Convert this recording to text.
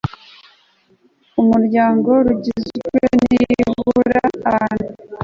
rw umuryango rugizwe nibura n abantu